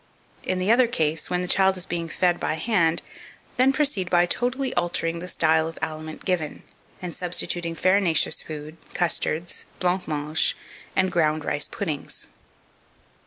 In the other case, when the child is being fed by hand, then proceed by totally altering the style of aliment given, and substituting farinaceous food, custards, blanc mange, and ground rice puddings.